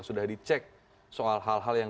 sudah dicek soal hal hal yang